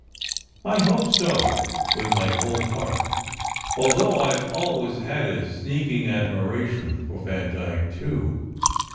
"I hope so, with my whole heart; although I ve always had a sneaking admiration for Vandyke, too.